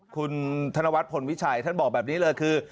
คุณธนวัฒนพลวิชัยท่านบอกแบบนี้เลยคือ